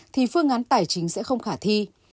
thì phương án tài chính sẽ không khả thi